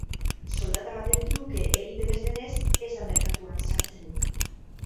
Soldata baten truke egiten ez denez, ez da merkatuan sartzen.